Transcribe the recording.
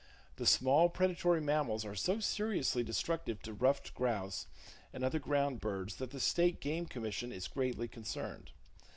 The small predatory mammals are so seriously destructive to ruffed grouse and other ground birds that the State Game Commission is greatly concerned.